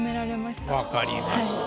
わかりました。